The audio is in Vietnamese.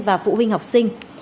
và phụ huynh học sinh